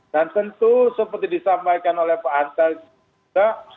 dan tentu seperti disampaikan oleh pak hanta juga